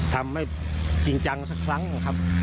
ทำให้จริงจังสักครั้งนะครับ